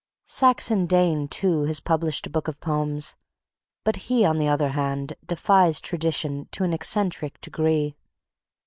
Saxon Dane, too, has published a book of poems, but he, on the other hand, defies tradition to an eccentric degree.